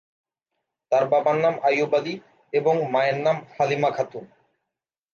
তার বাবার নাম আইয়ুব আলী এবং মায়ের নাম হালিমা খাতুন।